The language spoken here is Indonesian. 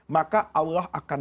maka allah akan